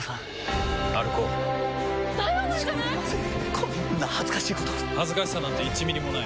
こんな恥ずかしいこと恥ずかしさなんて１ミリもない。